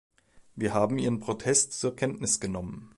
Wir haben Ihren Protest zur Kenntnis genommen.